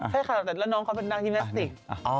ใช่ค่ะแต่แล้วน้องเขาเป็นนักฮิแมสติก